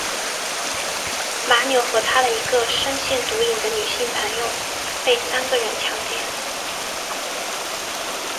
马纽和她的一个深陷毒瘾的女性朋友被三个男人强奸。